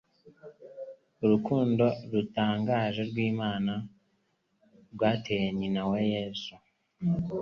Urukundo rutangaje rw'Imana rwateye nyina wa Yesu